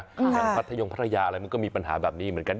อย่างพัทยงพัทยาอะไรมันก็มีปัญหาแบบนี้เหมือนกัน